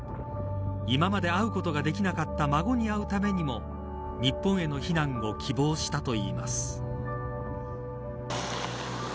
今まで会うことができなかった孫に会うためにも日本への避難を希望したといいます。